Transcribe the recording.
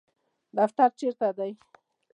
دفتر چیرته دی؟